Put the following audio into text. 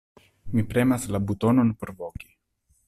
Mi premas la butonon por voki.